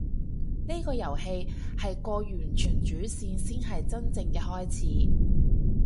呢個遊戲係過完主線先係真正嘅開始